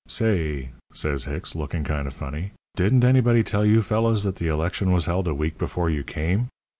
"'Say,' says Hicks, looking kind of funny, 'didn't anybody tell you fellows that the election was held a week before you came?